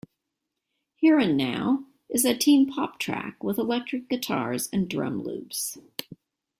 "Here and Now" is a teen pop track with electric guitars and drum loops.